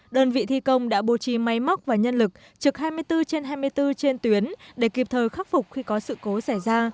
đơn vị thi công đã bố trí máy móc và nhân lực trực hai mươi bốn trên hai mươi bốn trên tuyến để kịp thời khắc phục khi có sự cố xảy ra